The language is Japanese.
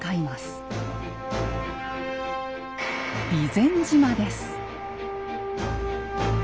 「備前島」です。